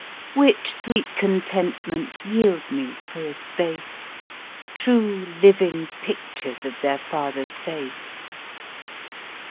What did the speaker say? Which sweet contentment yield me for a space, True living pictures of their father's face.